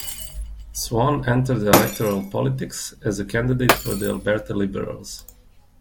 Swann entered electoral politics as a candidate for the Alberta Liberals.